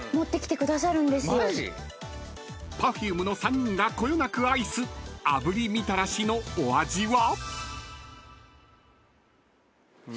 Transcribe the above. ［Ｐｅｒｆｕｍｅの３人がこよなく愛す炙りみたらしのお味は？］